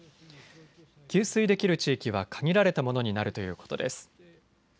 給水できる地域は限られたものになるということです。